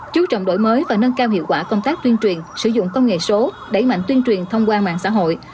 chú trọng đổi mới và nâng cao hiệu quả công tác tuyên truyền sử dụng công nghệ số đẩy mạnh tuyên truyền thông qua mạng xã hội